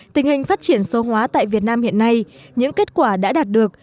tình hình phát triển số hóa tại việt nam hiện nay những kết quả đã đạt được